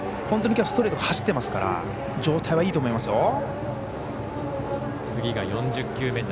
本当にきょうはストレート走っていますから状態はいいと思いますよ。